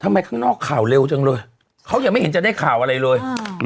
ข้างนอกข่าวเร็วจังเลยเขายังไม่เห็นจะได้ข่าวอะไรเลย